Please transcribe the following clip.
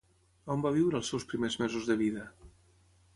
On va viure els seus primers mesos de vida?